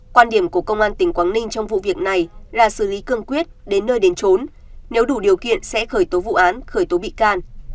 quan điểm của công an tỉnh quảng ninh trong vụ việc này là xử lý cương quyết đến nơi đến trốn nếu đủ điều kiện sẽ khởi tố vụ án khởi tố bị can